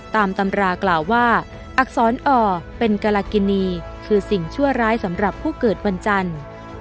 ตามตำรากล่าวว่าอักษรอ่อเป็นกรกินีคือสิ่งชั่วร้ายสำหรับผู้เกิดวันจันทร์